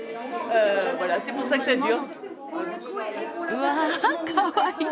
うわぁかわいい。